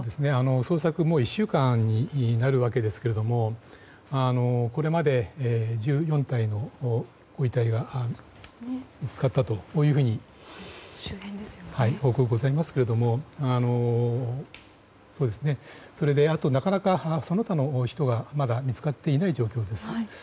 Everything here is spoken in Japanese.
捜索も１週間になるわけですけどこれまで１４体のご遺体が見つかったという報告がございますけれどもそれで、あとなかなかその他の人が見つかっていない状況です。